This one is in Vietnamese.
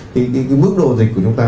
thì cái mức độ dịch của chúng ta